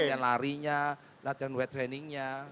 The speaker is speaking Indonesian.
latihan larinya latihan weight trainingnya